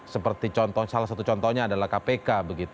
seperti salah satu contohnya adalah kpk